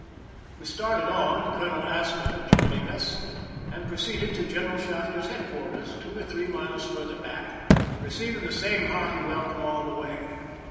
We started on, Colonel Astor joining us, and proceeded to General Shaf ter's headquarters, two or three miles farther back, receiving the same hearty welcome all the way.